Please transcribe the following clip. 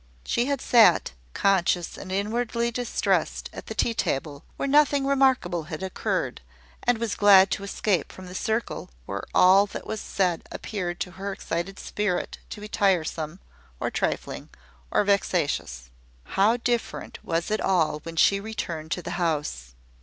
She had sat, conscious and inwardly distressed, at the tea table, where nothing remarkable had occurred; and was glad to escape from the circle where all that was said appeared to her excited spirit to be tiresome, or trifling, or vexatious. How different was it all when she returned to the house!